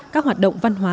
các hoạt động văn hóa